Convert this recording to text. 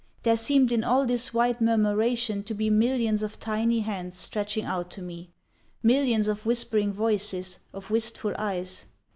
There seemed in all this white murmuration to be millions of tiny hands stretching out to me, millions of whispering voices, of wistful eyes.